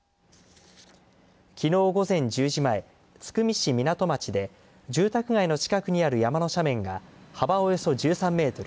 きのう午前１０時前津久見市港町で住宅街の近くにある山の斜面が幅およそ１３メートル